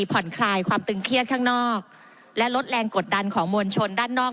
ผ่อนคลายความตึงเครียดข้างนอกและลดแรงกดดันของมวลชนด้านนอก